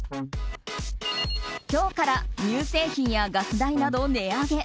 今日から乳製品やガス代など値上げ。